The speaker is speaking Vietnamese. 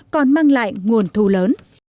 còn mang lại nguồn thu lớn